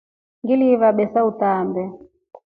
Ngiliiva besa utaambe.